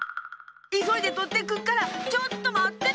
いそいでとってくっからちょっとまってて！